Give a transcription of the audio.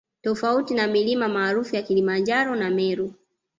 Tofauti na milima maarufu ya Kilimanjaro na Meru